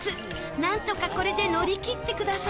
なんとかこれで乗り切ってください